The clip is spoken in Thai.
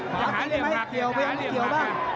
หาทีได้ไหมเกี่ยวไปหาทีได้ไหมเกี่ยวบ้าง